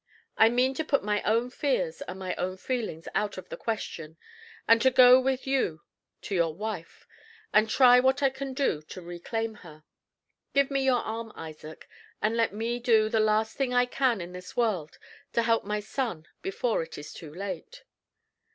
I mean to put my own fears and my own feelings out of the question, and to go with you to your wife, and try what I can do to reclaim her. Give me your arm, Isaac, and let me do the last thing I can in this world to help my son before it is too late."